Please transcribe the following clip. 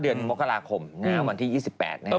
เดือนโมกราคมวันที่๒๘นิ้ว